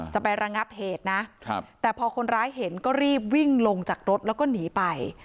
จะไประงับเหตุนะแต่พอคนร้ายเห็นก็รีบวิ่งลงจากรถแล้วก็หนีไป